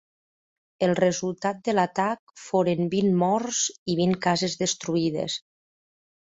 El resultat de l'atac foren vint morts i vint cases destruïdes.